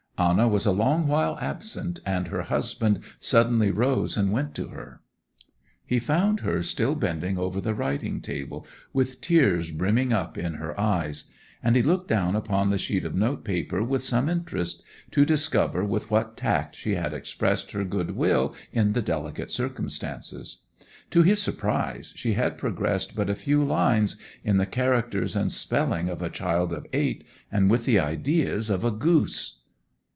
Anna was a long while absent, and her husband suddenly rose and went to her. He found her still bending over the writing table, with tears brimming up in her eyes; and he looked down upon the sheet of note paper with some interest, to discover with what tact she had expressed her good will in the delicate circumstances. To his surprise she had progressed but a few lines, in the characters and spelling of a child of eight, and with the ideas of a goose.